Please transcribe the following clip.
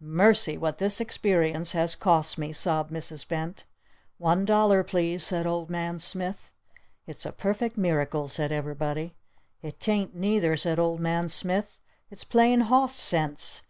"Mercy! What this experience has cost me!" sobbed Mrs. Bent. "One dollar, please!" said Old Man Smith. "It's a perfect miracle!" said everybody. "It 'tain't neither!" said Old Man Smith. "It's plain Hoss Sense!